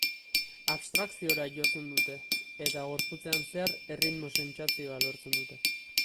Abstrakziora jotzen dute eta gorputzean zehar erritmo sentsazioa lortzen dute.